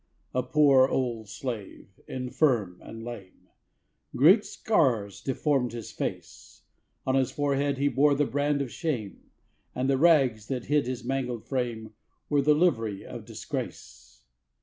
A poor old slave, infirm and lame; Great scars deformed his face; On his forehead he bore the brand of shame, And the rags, that hid his mangled frame, Were the livery of disgrace.